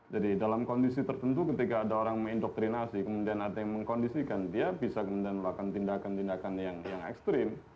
jadi dalam kondisi tertentu ketika ada orang mengindoktrinasi kemudian ada yang mengkondisikan dia bisa kemudian melakukan tindakan tindakan yang ekstrim